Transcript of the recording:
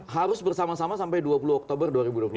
harus bersama sama sampai dua puluh oktober dua ribu dua puluh tiga